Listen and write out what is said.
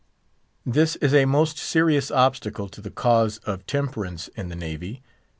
This is a most serious obstacle to the cause of temperance in the Navy.